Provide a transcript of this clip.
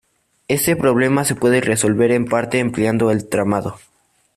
Este problema se puede resolver, en parte, empleando el tramado.